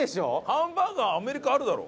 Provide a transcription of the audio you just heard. ハンバーガーアメリカあるだろ。